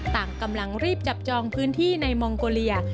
ต่างกำลังรีบจับจองพื้นที่ในมองโกเลีย